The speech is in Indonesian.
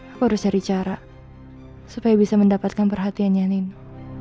aku harus cari cara supaya bisa mendapatkan perhatiannya nino